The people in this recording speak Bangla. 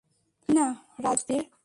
তাই না, রাজবীর?